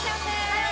はい！